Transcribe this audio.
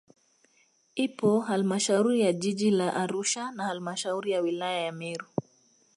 Ipo halmashauri ya jiji la Arusha na halmashauri ya wilaya ya Meru